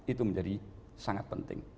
itu menjadi sangat penting